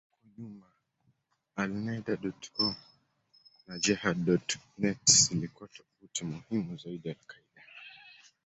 Huko nyuma, Alneda.com na Jehad.net zilikuwa tovuti muhimu zaidi za al-Qaeda.